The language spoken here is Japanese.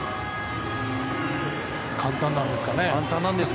簡単なんですかね。